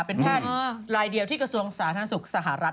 เป็นแผ่นรายเดียวที่กระทรวงศาติธรรมทางสุขสหรัฐ